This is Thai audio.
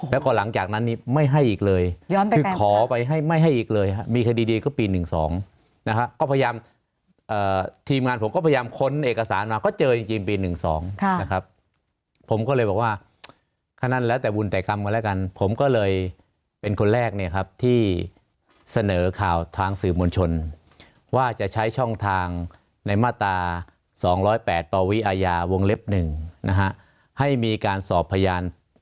แล้วก็หลังจากนั้นนี้ไม่ให้อีกเลยคือขอไปให้ไม่ให้อีกเลยมีคดีดีก็ปีหนึ่งสองนะครับก็พยายามทีมงานผมก็พยายามค้นเอกสารมาก็เจอจริงจริงปีหนึ่งสองนะครับผมก็เลยบอกว่าขนาดนั้นแล้วแต่บุญแต่กรรมกันและกันผมก็เลยเป็นคนแรกเนี้ยครับที่เสนอข่าวทางสื่อมวลชนว่าจะใช้ช่องทางในมาตราสองร้อยแปดป่าวิอาญาวง